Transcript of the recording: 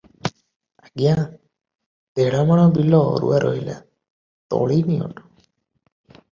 ଆଜ୍ଞା, ଦେଢ଼ମାଣ ବିଲ ଅରୁଆ ରହିଲା, ତଳି ନିଅଣ୍ଟ ।